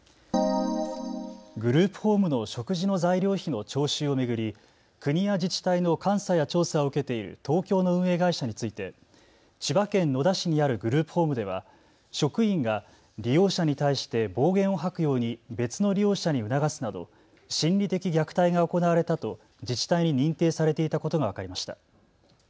グループホームの食事の材料費の徴収を巡り国や自治体の監査や調査を受けている東京の運営会社について千葉県野田市にあるグループホームでは職員が利用者に対して暴言を吐くように別の利用者に促すなど心理的虐待が行われたと自治体に認定されていたことが分かりました。